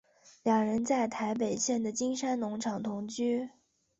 两人在台北县的金山农场同居。